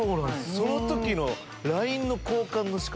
その時の。